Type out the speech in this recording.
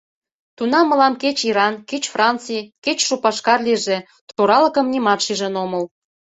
Тунам мылам кеч Иран, кеч Франций, кеч Шупашкар лийже — торалыкым нимат шижын омыл.